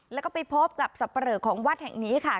แล้วก็ไปพบกับสับปะเลอของวัดแห่งนี้ค่ะ